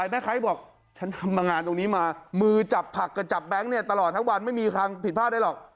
แม่ค้าบอกฉันทำมางานตรงนี้มามือจับผักกับจับแก๊งเนี่ยตลอดทั้งวันไม่มีทางผิดพลาดได้หรอก